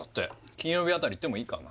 金曜日あたり行ってもいいかな？